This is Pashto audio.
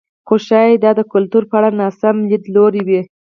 خو ښايي دا د کلتور په اړه ناسم لیدلوری وي.